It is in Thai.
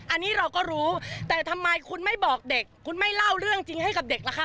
อันนี้เราก็รู้แต่ทำไมคุณไม่บอกเด็กคุณไม่เล่าเรื่องจริงให้กับเด็กล่ะคะ